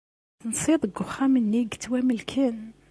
Tensiḍ deg wexxam-nni yettwamelken?